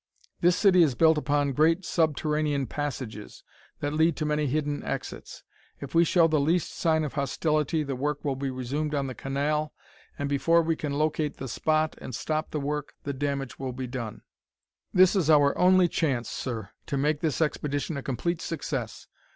"This city is built upon great subterranean passages that lead to many hidden exits. If we show the least sign of hostility the work will be resumed on the canal, and, before we can locate the spot, and stop the work, the damage will be done. "This is our only chance, sir, to make this expedition a complete success.